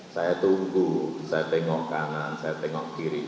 saya tunggu saya tengok kanan saya tengok kiri